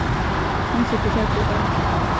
从此不再孤单